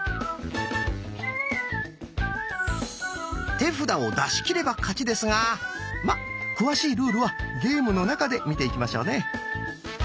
手札を出し切れば勝ちですがまっ詳しいルールはゲームの中で見ていきましょうね。